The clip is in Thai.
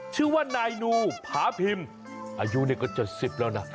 ชื่อว่านายหนูพาพิมอายุนี่ก็๗๐แล้ว